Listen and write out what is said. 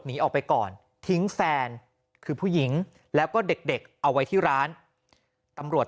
หนีออกไปก่อนทิ้งแฟนคือผู้หญิงแล้วก็เด็กเด็กเอาไว้ที่ร้านตำรวจ